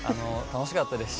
楽しかったです